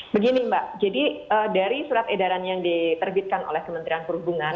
begini mbak jadi dari surat edaran yang diterbitkan oleh kementerian perhubungan